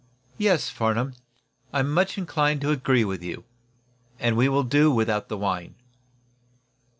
Yes, Farnum, I am much inclined to agree with you, and we will do without the wine."